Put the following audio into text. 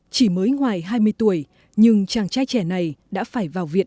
chỉ mới ngoài hai mươi tuổi nhưng chàng trai trẻ này đã phải vào viện